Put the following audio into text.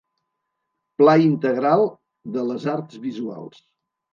Pla Integral de les Arts Visuals.